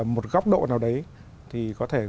một góc độ nào đấy thì có thể